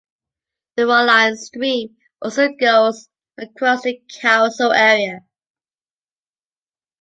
The Rollion stream also goes across the council area.